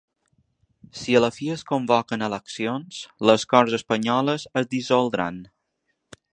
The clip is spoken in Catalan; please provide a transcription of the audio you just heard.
Si a la fi es convoquen eleccions, les corts espanyoles es dissoldran.